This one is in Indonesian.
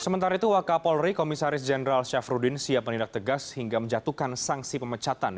sementara itu wakka polri komisaris jenderal syafrudin siap menindak tegas hingga menjatuhkan sanksi pemecatan